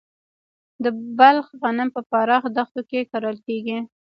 د بلخ غنم په پراخه دښتو کې کرل کیږي.